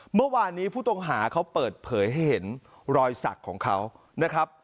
เมื่อวานนี้ผู้ต้องหาเขาเปิดเผยให้เห็นรอยสักของเขานะครับ